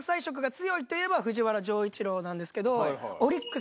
藤原丈一郎なんですけど。